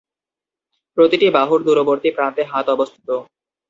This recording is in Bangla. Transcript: প্রতিটি বাহুর দূরবর্তী প্রান্তে হাত অবস্থিত।